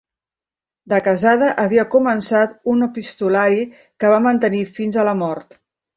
De casada havia començat un epistolari que va mantenir fins a la mort.